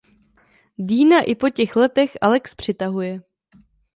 Deana i po těch letech Alex přitahuje.